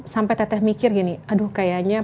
sampai teteh mikir gini aduh kayaknya